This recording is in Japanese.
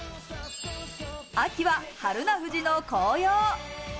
秋は榛名富士の紅葉。